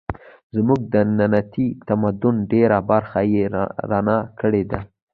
زموږ د ننني تمدن ډېرې برخې یې بنا کړې دي.